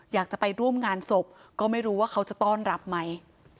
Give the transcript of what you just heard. อยากจะไปร่วมงานศพก็ไม่รู้ว่าเขาจะต้อนรับไหม